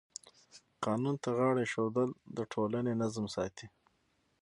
قانون ته غاړه ایښودل د ټولنې نظم ساتي.